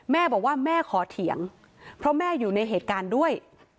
แม่บอกว่าแม่ขอเถียงเพราะแม่อยู่ในเหตุการณ์ด้วย